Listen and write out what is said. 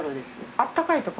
あったかい所？